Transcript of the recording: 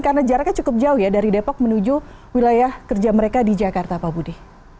karena jaraknya cukup jauh ya dari depok menuju wilayah kerja mereka di jakarta pak budi